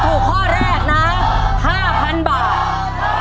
ถ้าถูกข้อแรก๕๐๐๐บาท